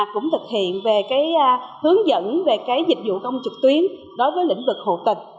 cũng thực hiện về hướng dẫn về dịch vụ công trực tuyến đối với lĩnh vực hộ tịch